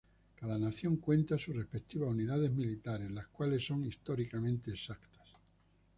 Cada nación cuenta sus respectivas unidades militares, las cuales son históricamente exactas.